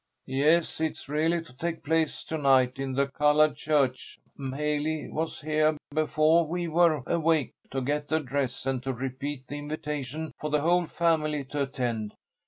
"Yes, it really is to take place to night in the colohed church. M'haley was heah befoah we were awake, to get the dress and to repeat the invitation for the whole family to attend.